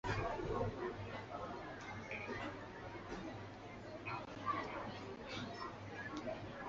高茎紫堇为罂粟科紫堇属下的一个亚种。